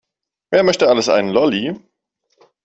Wer möchte alles einen Lolli?